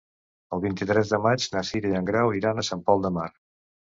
El vint-i-tres de maig na Cira i en Grau iran a Sant Pol de Mar.